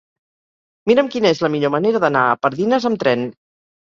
Mira'm quina és la millor manera d'anar a Pardines amb tren.